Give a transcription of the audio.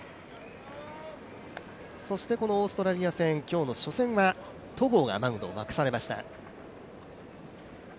そしてこのオーストラリア戦、今日の初戦は戸郷がマウンドを任されました。